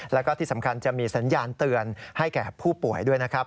แล้วก็ที่สำคัญจะมีสัญญาณเตือนให้แก่ผู้ป่วยด้วยนะครับ